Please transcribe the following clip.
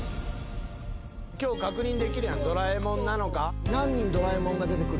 今日確認できるやんドラえもんなのか。